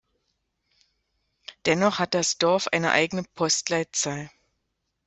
Dennoch hat das Dorf eine eigene Postleitzahl.